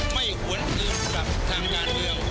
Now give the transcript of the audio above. ไม่หวนอื่นกับทางงานเดียว